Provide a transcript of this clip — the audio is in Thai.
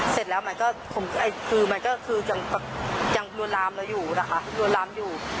เสร็จแล้วมันก็คือมันก็คือยังลวนลามเราอยู่นะคะลวนลามอยู่